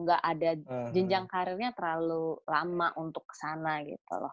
gak ada jenjang karirnya terlalu lama untuk kesana gitu loh